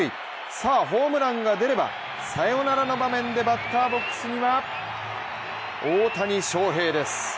さあ、ホームランが出ればサヨナラの場面でバッターボックスには大谷翔平です。